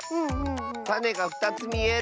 たねが２つみえる。